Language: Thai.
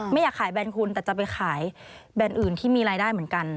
ไม่อยากขายแบรนด์คุณแต่จะไปขายแบรนด์อื่นที่มีรายได้เหมือนกัน